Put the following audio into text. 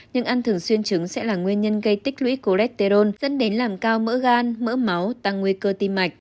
nhưng ăn thường xuyên trứng sẽ là nguyên nhân gây tích lũy cholesterol dẫn đến làm cao mỡ gan mỡ máu tăng nguy cơ tim mạch